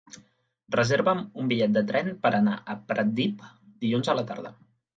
Reserva'm un bitllet de tren per anar a Pratdip dilluns a la tarda.